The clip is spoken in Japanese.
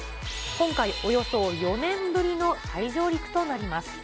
今回、およそ４年ぶりの再上陸となります。